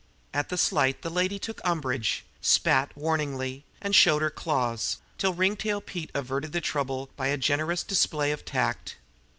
At the slight the lady took umbrage, spat warningly, and showed her claws, till Ringtail averted trouble by a generous display of tact.